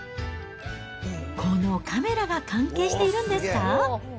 このカメラが関係しているんですか？